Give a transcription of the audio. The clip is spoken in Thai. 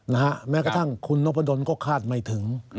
นะฮะแม้กระทั่งคุณนกพนธรรมก็คาดไม่ถึง